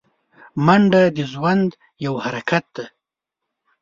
منډه د ژوند یو حرکت دی